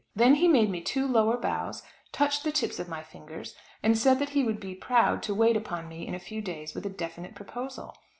Then he made me two lower bows, touched the tip of my fingers, and said that he would be proud to wait upon me in a few days with a definite proposal.